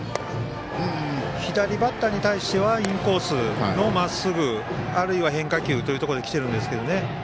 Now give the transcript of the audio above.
左バッターに対してはインコースのまっすぐあるいは変化球というところで来ているんですけどね。